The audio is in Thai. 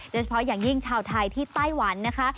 โดยเฉพาะอย่างยิ่งชาวไทยที่ไต้หวันนะคะ